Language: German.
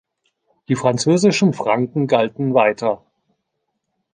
Die französischen Franken galten weiter.